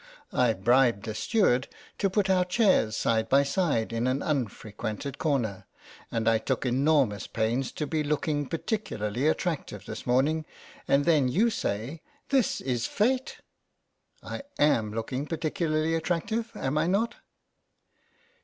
I bribed the steward to put our chairs side by side in an xo6 THE BAKER'S DOZEN 107 unfrequented corner, and I took enormous pains to be looking particularly attractive this morning, and then you say " This is fate." I am looking particularly attractive, am I not?